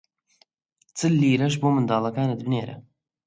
چل لیرەش بۆ منداڵەکانت بنێرە!